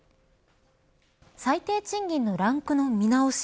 最低賃金のランクの見直し